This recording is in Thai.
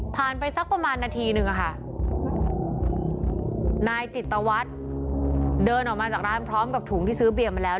ไปสักประมาณนาทีนึงอะค่ะนายจิตวัตรเดินออกมาจากร้านพร้อมกับถุงที่ซื้อเบียร์มาแล้ว